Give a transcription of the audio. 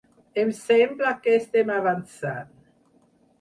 Em sembla que estem avançant.